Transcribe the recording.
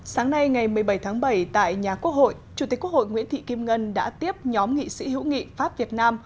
sáng nay ngày một mươi bảy tháng bảy tại nhà quốc hội chủ tịch quốc hội nguyễn thị kim ngân đã tiếp nhóm nghị sĩ hữu nghị pháp việt nam